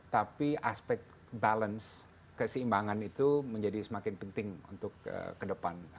tapi aspek balance keseimbangan itu menjadi semakin penting untuk ke depan